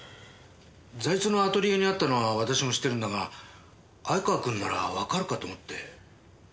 財津のアトリエにあったのは私も知ってるんだが相川君ならわかるかと思って。